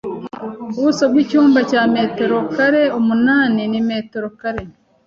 Ubuso bwicyumba cya metero kare umunani ni metero kare